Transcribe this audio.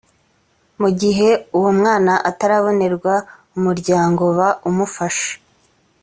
mu gihe uwo mwana atarabonerwa umuryango ba umufashe